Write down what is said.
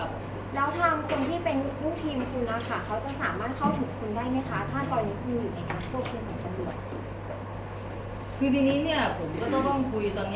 หัวหน้าทีมตอนนี้ก็จะเป็นของพี่ชื่อนะ